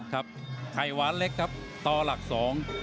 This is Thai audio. ไข่หวานเล็กครับต่อหลักสอง